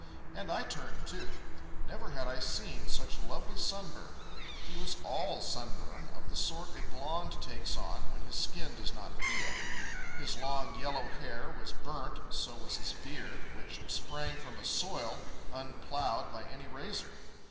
And I turned, too. Never had I seen such lovely sunburn. He was all sunburn, of the sort a blond takes on when his skin does not peel. His long yellow hair was burnt, so was his beard, which sprang from a soil unploughed by any razor.